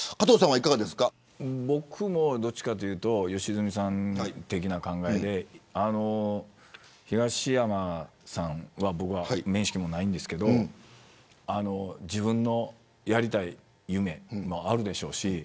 僕もどっちかというと良純さん的な考えで東山さんと僕は面識はないんですけど自分のやりたい夢もあるでしょうし